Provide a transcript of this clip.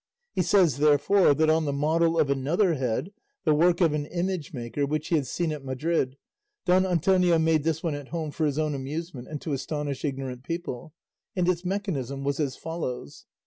He says, therefore, that on the model of another head, the work of an image maker, which he had seen at Madrid, Don Antonio made this one at home for his own amusement and to astonish ignorant people; and its mechanism was as follows.